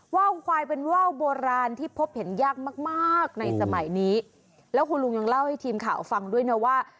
ว่าวควายเป็นว่าวโบราณที่พบเห็นยากมากมากในสมัยนี้แล้วคุณลุงยังเล่าให้ทีมข่าวฟังด้วยนะว่า